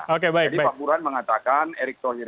jadi pak burhan mengatakan erick thohir